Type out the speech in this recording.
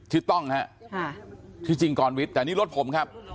ชื่อต้องฮะค่ะจริงจริงกรณวิทย์แต่นี่รถผมครับ